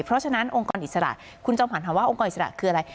เพราะฉะนั้นองค์กรอิสระคุณจอมขวัญถามว่าองค์กรอิสระคืออะไร